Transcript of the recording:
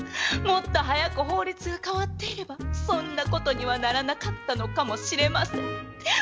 もっと早く法律が変わっていればそんなことにはならなかったのかもしれません。